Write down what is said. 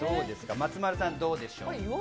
松丸さん、どうでしょう？